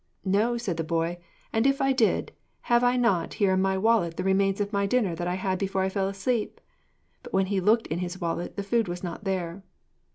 'No,' said the boy, 'and if I did, have I not here in my wallet the remains of my dinner that I had before I fell asleep?' But when he looked in his wallet, the food was not there.